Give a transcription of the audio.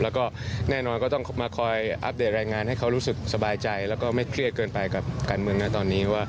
แล้วก็แน่นอนก็ต้องมาคอยอัปเดตรายงานให้เขารู้สึกสบายใจแล้วก็ไม่เครียดเกินไปกับการเมืองนะตอนนี้ว่า